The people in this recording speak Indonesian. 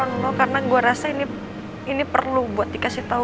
makanya gue telfon lo karena gue rasa ini perlu buat dikasih tau ke lo